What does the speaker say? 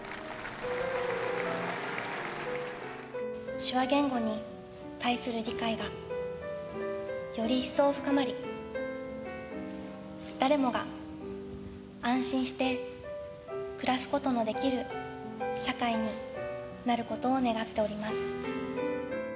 手話言語に対する理解が、より一層深まり、誰もが安心して暮らすことのできる社会になることを願っております。